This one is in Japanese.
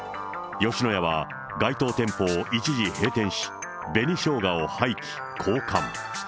吉野家は該当店舗を一時閉店し、紅ショウガを廃棄、交換。